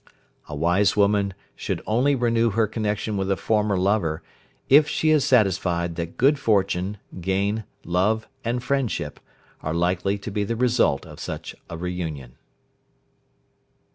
"A wise woman should only renew her connection with a former lover if she is satisfied that good fortune, gain, love, and friendship, are likely to be the result of such a re union."